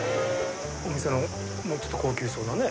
お店のもうちょっと高級そうなね